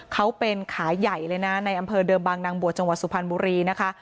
เขาเป็นขาใหญ่เลยนะในอำเภอเดิมบางนางบวชจังหวัดสุพรรณบุรีนะคะ